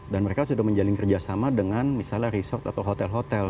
dan mereka sudah menjalin kerjasama dengan misalnya resort atau hotel hotel